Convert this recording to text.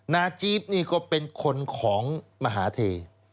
จี๊บนี่ก็เป็นคนของมหาเท